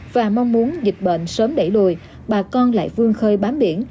và mong muốn dịch bệnh sớm đẩy lùi bà con lại vương khơi bám biển